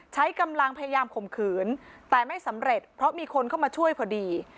ใช้กำลังพยายามข่มขืนแต่ไม่สำเร็จเพราะมีคนเข้ามาช่วยพอดี